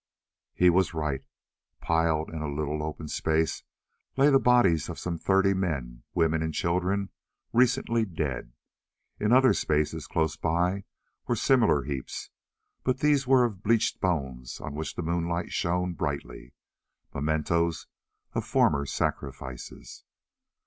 He was right. Piled in a little open space lay the bodies of some thirty men, women, and children recently dead. In other spaces close by were similar heaps, but these were of bleached bones on which the moonlight shone brightly—mementoes of former sacrifices.